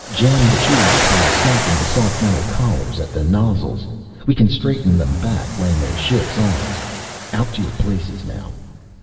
Jam the tubes by smacking the soft metal collars at the nozzles we can straighten them back when the ship's ours. Out to your places now."